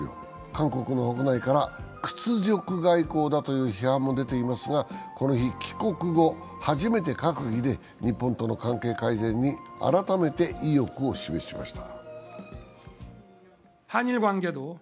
韓国の国内から屈辱外交だという批判も出ていますがこの日、帰国後、初めて閣議で日本との関係改善に改めて意欲を示しました。